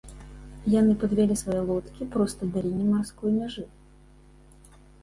Яны падвялі свае лодкі проста да лініі марской мяжы.